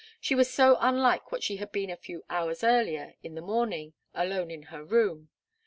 She was so unlike what she had been a few hours earlier, in the early morning, alone in her room.